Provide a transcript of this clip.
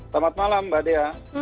selamat malam mbak dea